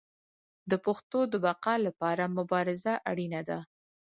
د پښتو د بقا لپاره مبارزه اړینه ده.